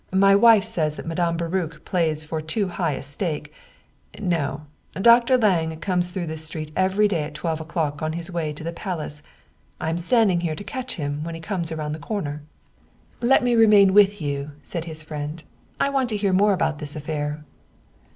My wife says that Madame Baruch plays for too high a stake. No, Dr. Lange comes through this street every day at twelve o'clock on his way to the Palace. I am standing here to catch him when he comes around the corner." 85 German Mystery Stories " Let me remain with you," said his friend ;" I want to hear more about this affair."